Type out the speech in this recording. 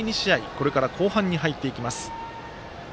これから後半に入っていきます。